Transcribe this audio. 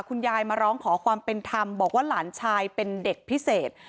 คุณยายมาร้องขอความเป็นธรรมบอกว่าหลานชายเป็นเด็กพิเศษ